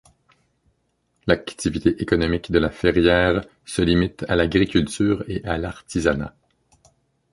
L’activité économique de La Ferrière se limite à l’agriculture et à l’artisanat.